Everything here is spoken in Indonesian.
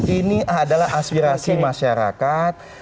ini adalah aspirasi masyarakat